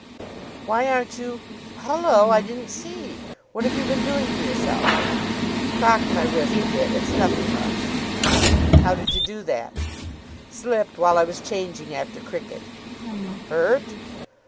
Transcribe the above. "Why aren't you Hullo, I didn't see. What have you been doing to yourself?" "Crocked my wrist a bit. It's nothing much." "How did you do that?" "Slipped while I was changing after cricket." "Hurt?"